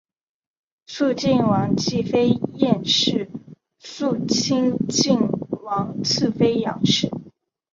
肃靖王继妃晏氏肃靖王次妃杨氏